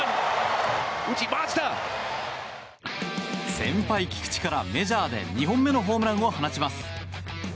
先輩・菊池からメジャーで２本目のホームランを放ちます。